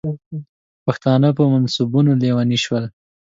پښتانه په منصبونو لیوني شول.